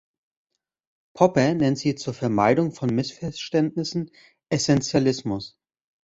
Popper nennt sie zur Vermeidung von Missverständnissen Essentialismus.